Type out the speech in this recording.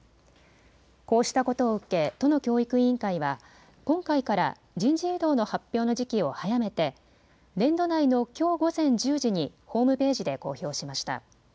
こうしたことを受け都の教育委員会は、今回から人事異動の発表の時期を早めて年度内のきょう午前１０時にホームページで公表しました。